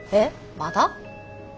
まだ？